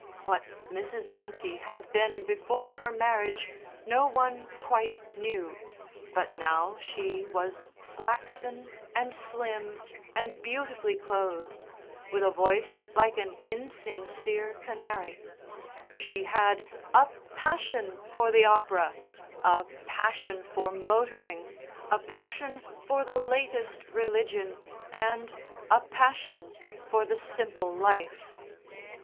What Mrs. Munty had been before her marriage no one quite knew, but now she was flaxen and slim and beautifully clothed, with a voice like an insincere canary; she had "a passion for the Opera," a "passion for motoring," "a passion for the latest religion," and "a passion for the simple life."